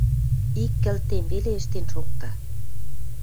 Ик кӹлтем веле ӹштен шокта